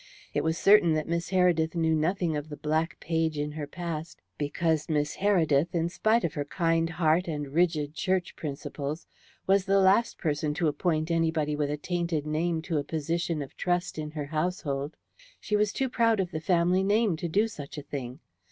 It was certain that Miss Heredith knew nothing of the black page in her past, because Miss Heredith, in spite of her kind heart and rigid church principles, was the last person to appoint anybody with a tainted name to a position of trust in her household. She was too proud of the family name to do such a thing.